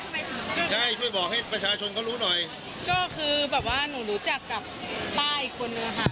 ไปถึงบ้านใช่ช่วยบอกให้ประชาชนเขารู้หน่อยก็คือแบบว่าหนูรู้จักกับป้าอีกคนนึงค่ะ